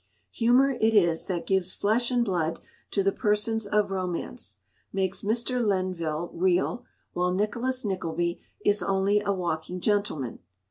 Humour it is that gives flesh and blood to the persons of romance; makes Mr. Lenville real, while Nicholas Nickleby is only a "walking gentleman."